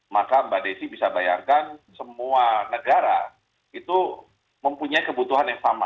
maka mbak desi bisa bayangkan semua negara itu mempunyai kebutuhan yang sama